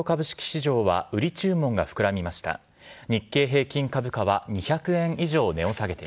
週明けの東京株式市場は、売り注文が膨らみました。